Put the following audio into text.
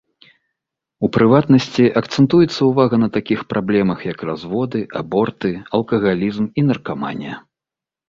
У прыватнасці, акцэнтуецца ўвага на такіх праблемах як разводы, аборты, алкагалізм і наркаманія.